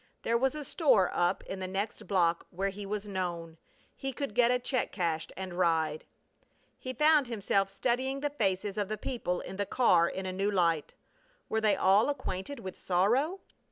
There was a store up in the next block where he was known. He could get a check cashed and ride. He found himself studying the faces of the people in the car in a new light. Were they all acquainted with sorrow?